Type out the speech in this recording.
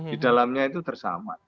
di dalamnya itu tersamar